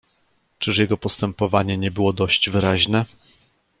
"Czyż jego postępowanie nie było dość wyraźne?"